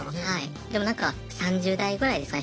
でもなんか３０代ぐらいですかね